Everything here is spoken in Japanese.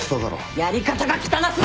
やり方が汚過ぎ。